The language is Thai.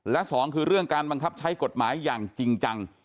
และสองคือเรื่องการบังคับใช้กฎหมายอย่างจริงจัง